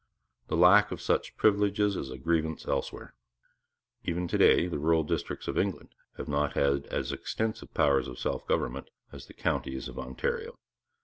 The lack of such privileges is a grievance elsewhere. Even to day, the rural districts of England have not as extensive powers of self government as the counties of Ontario.